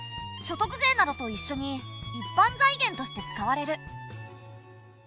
所得税などといっしょに一般財源として使われる。